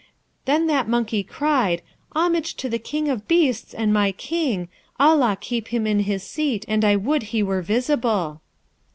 'Then that monkey cried, "Homage to the King of beasts and my King! Allah keep him in his seat, and I would he were visible."